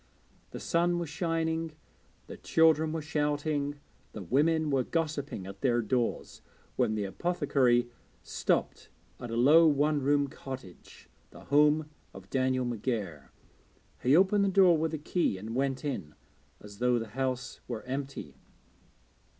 The sun was shining, the children were shouting, the women were gossiping at their doors, when the apothecary stopped at a low one roomed cottage, the home of Daniel McGair. He opened the door with a key and went in, as though the house were empty.